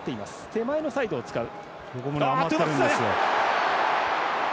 手前のサイドを使う。